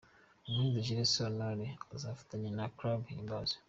Umuhanzi Jules Sontore azafatanya na Club Himbaza.